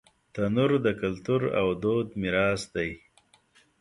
تنور د کلتور او دود میراث دی